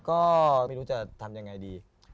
ก็ไม่รู้จะทำยังไงดี